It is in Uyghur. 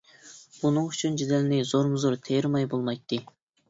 بۇنىڭ ئۈچۈن جېدەلنى زورمۇزور تېرىماي بولمايتتى.